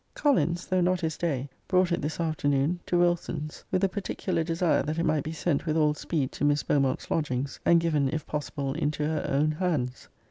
Collins, though not his day, brought it this afternoon to Wilson's, with a particular desire that it might be sent with all speed to Miss Beaumont's lodgings, and given, if possible, into her own hands.